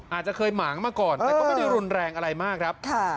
อาจจะเคยหมางมาก่อนแต่ก็ไม่ได้รุนแรงอะไรมากครับ